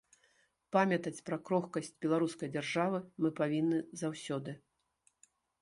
Памятаць пра крохкасць беларускай дзяржавы мы павінны заўсёды.